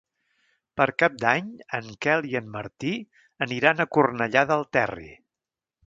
Per Cap d'Any en Quel i en Martí aniran a Cornellà del Terri.